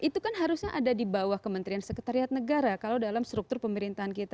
itu kan harusnya ada di bawah kementerian sekretariat negara kalau dalam struktur pemerintahan kita